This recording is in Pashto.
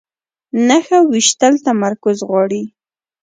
نښه ویشتل تمرکز غواړي